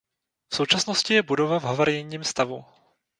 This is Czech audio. V současnosti je budova v havarijním stavu.